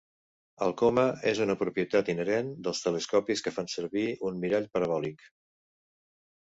El coma és una propietat inherent dels telescopis que fan servir un mirall parabòlic.